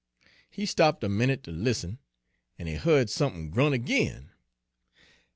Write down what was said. He stopped a minute ter listen, en he heared sump'n grunt ag'in.